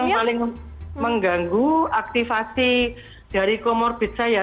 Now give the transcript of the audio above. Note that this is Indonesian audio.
dan yang paling mengganggu aktivasi dari komorbid saya